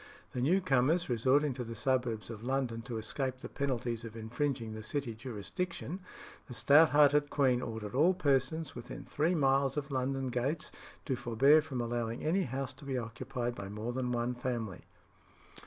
The new comers resorting to the suburbs of London to escape the penalties of infringing the City jurisdiction, the stout hearted queen ordered all persons within three miles of London gates to forbear from allowing any house to be occupied by more than one family.